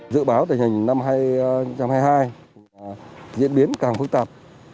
dự báo tình hình năm hai nghìn hai mươi hai diễn biến càng phức tạp